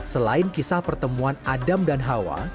selain kisah pertemuan adam dan hawa